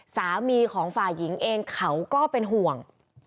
สามีของฝ่ายหญิงเองเขาก็เป็นห่วง